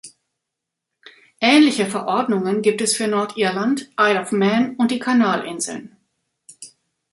Ähnliche Verordnungen gibt es für Nordirland, Isle of Man und die Kanalinseln.